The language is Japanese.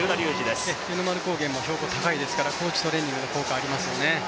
湯の丸高原も高いですから高地トレーニングの効果ありまうよね。